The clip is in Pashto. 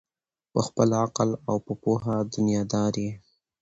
په خپل عقل او په پوهه دنیادار یې